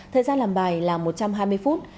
thời gian làm bài là một trăm hai mươi phút